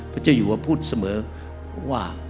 พระเจ้าหยุดพูดเสมอว่า